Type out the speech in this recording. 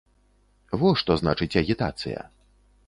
Во што значыць агітацыя.